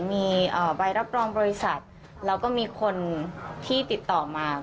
มีใบรับรองบริษัทแล้วก็มีคนที่ติดต่อมา